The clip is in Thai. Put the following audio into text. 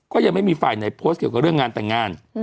ก็ยังไม่มีฝ่ายไหนโพสต์เกี่ยวกับเรื่องงานแต่งงาน